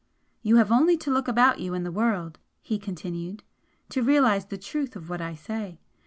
"You have only to look about you in the world," he continued "to realise the truth of what I say.